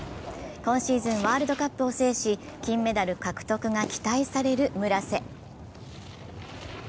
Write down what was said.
今シーズン、ワールドカップを制し金メダル獲得が期待される村瀬。